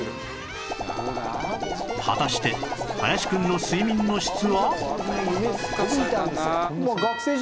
果たして林くんの睡眠の質は？